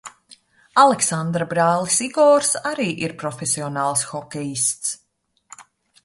Aleksandra brālis Igors arī ir profesionāls hokejists.